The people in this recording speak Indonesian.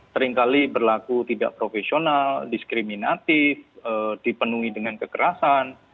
seringkali berlaku tidak profesional diskriminatif dipenuhi dengan kekerasan